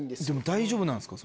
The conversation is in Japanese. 大丈夫なんですか？